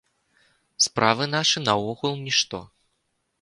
Справы нашы наогул нішто.